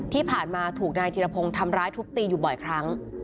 ที่ผ่านมาถูกนายธิรพงศ์ทำร้ายทุบตีอยู่บ่อยครั้ง